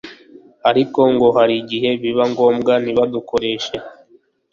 ariko ngo hari igihe biba ngombwa ntibadukoreshe